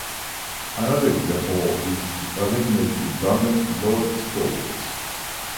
Another example is to eliminate redundant load stores.